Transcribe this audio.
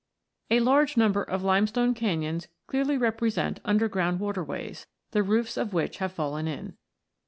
A large number of limestone canons clearly represent under ground waterways, the roofs of which have fallen in.